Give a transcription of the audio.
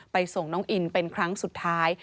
ส่งน้องอินเป็นครั้งสุดท้าย